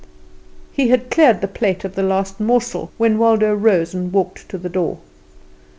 He had cleared the plate of the last morsel, when Waldo rose and walked to the door.